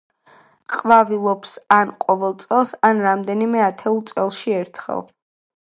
ყვავილობს ან ყოველ წელს, ან რამდენიმე ათეულ წელში ერთხელ.